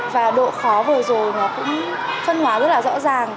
và độ khó vừa rồi nó cũng phân hóa rất là rõ ràng